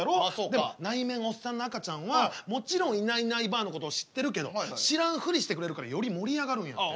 でも内面おっさんの赤ちゃんはもちろんいないいないばあのことを知ってるけど知らんふりしてくれるからより盛り上がるんやて。